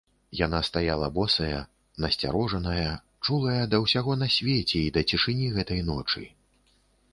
Яна стаяла босая, насцярожаная, чулая да ўсяго на свеце і да цішыні гэтай ночы.